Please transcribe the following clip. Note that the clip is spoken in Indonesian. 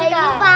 ada yang lupa